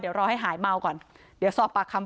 ไปโบกรถจักรยานยนต์ของชาวอายุขวบกว่าเองนะคะ